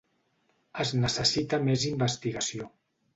Es necessita més investigació.